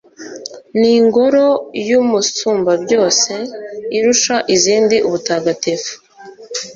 n'ingoro y'umusumbabyose irusha izindi ubutagatifu